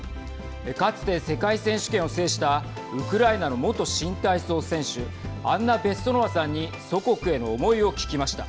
かつて世界選手権を制したウクライナの元新体操選手アンナ・ベッソノワさんに祖国への思いを聞きました。